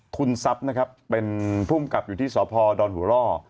คุณทรัพย์นะครับเป็นภูมิกับอยู่ที่สพดอนหัวล่อ